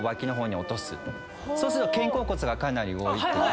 そうすると肩甲骨かなり動いて。